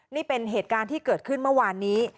นี่เป็นเหตุการณ์ที่เกิดขึ้นเมื่อวานนี้